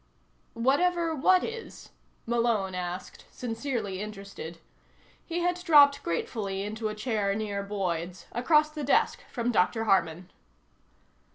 "Whatever what is?" Malone asked, sincerely interested. He had dropped gratefully into a chair near Boyd's, across the desk from Dr. Harman.